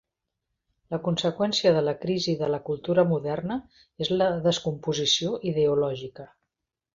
La conseqüència de la crisi de la cultura moderna és la descomposició ideològica.